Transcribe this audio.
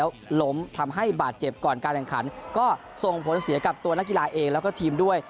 แล้วล้มทำให้บาดเจ็บก่อนการแข่งขันก็ส่งผลเสียกับตัวนักกีฬาเองแล้วก็ทีมด้วย